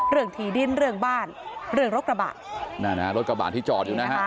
ถี่ดินเรื่องบ้านเรื่องรถกระบะนั่นนะฮะรถกระบะที่จอดอยู่นะฮะ